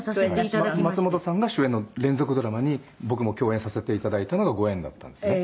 松本さんが主演の連続ドラマに僕の共演させていただいたのがご縁だったんですね。